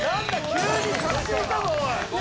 急に覚醒したぞ！